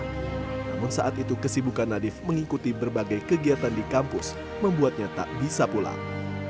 namun saat itu kesibukan nadif mengikuti berbagai kegiatan di kampus membuatnya tak bisa pulang